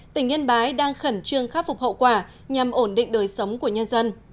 tỉnh yên bái đang khẩn trương khắc phục hậu quả nhằm ổn định đời sống của nhân dân